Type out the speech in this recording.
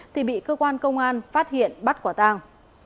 thì bị cơ quan công an phát hiện bắt quả tàng